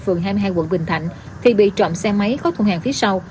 phường hai mươi hai quận bình thạnh thì bị trộm xe máy khó thu hàng phía sau